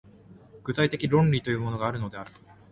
具体的論理というものがあるのである。